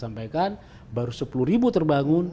sampaikan baru sepuluh ribu terbangun